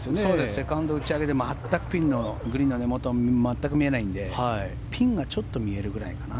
セカンド打ち上げでピンの根本は全く見えないので、ピンがちょっと見えるぐらいかな。